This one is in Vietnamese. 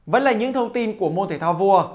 vẫn là những thông tin của môn thể thao vua